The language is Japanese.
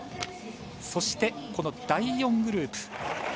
そして、第４グループ。